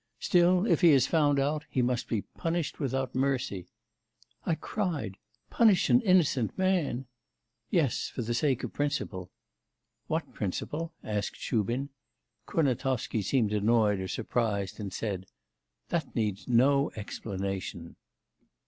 Still, if he is found out, he must be punished without mercy." 'I cried, "Punish an innocent man!" '"Yes; for the sake of principle." '"What principle?" asked Shubin. Kurnatovsky seemed annoyed or surprised, and said, "That needs no explanation."